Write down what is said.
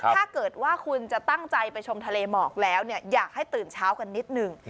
ถ้าเกิดว่าคุณจะตั้งใจไปชมทะเลหมอกแล้วเนี่ยอยากให้ตื่นเช้ากันนิดหนึ่ง